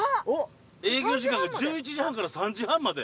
営業時間が１１時半から３時半まで。